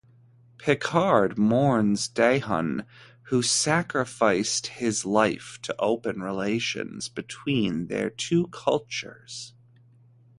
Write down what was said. Picard mourns Dathon, who sacrificed his life to open relations between their two cultures.